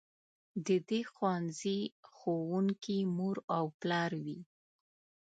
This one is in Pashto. د دې ښوونځي ښوونکي مور او پلار وي.